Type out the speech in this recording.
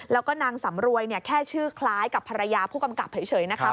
แล้วก็นางสำรวยแค่ชื่อคล้ายกับภรรยาผู้กำกับเฉยนะคะ